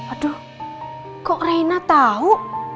aduh kok rena tau